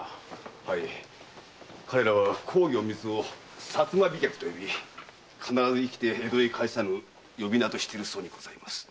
はい彼らは公儀隠密を「薩摩飛脚」と呼び必ず生きて江戸へ帰さぬ呼び名としているそうにございます。